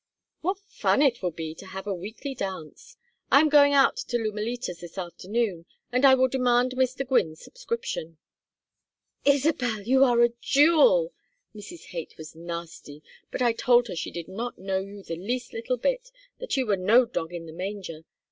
"What fun it will be to have a weekly dance! I am going out to Lumalitas this afternoon, and I will demand Mr. Gwynne's subscription." "Isabel! You are a jewel! Mrs. Haight was nasty, but I told her she did not know you the least little bit, that you were no dog in the manger.